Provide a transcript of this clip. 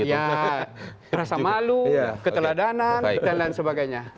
ya rasa malu keteladanan dan lain sebagainya